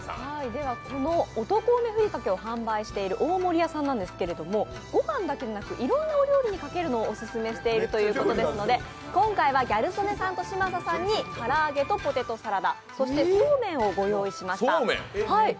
この男梅ふりかけを販売している大森屋さんなんですが、御飯だけでなくいろんなお料理にかけるのをオススメしているということですので今回はギャル曽根さんと嶋佐さんに唐揚げとポテトサラダ、そして、そうめんを御用意いたしました。